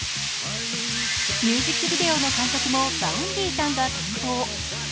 ミュージックビデオの監督もＶａｕｎｄｙさんが担当。